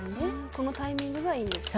このタイミングがいいんですね。